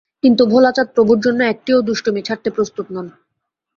কিন্তু ভোলাচাঁদ প্রভুর জন্য একটিও দুষ্টামি ছাড়তে প্রস্তুত নন।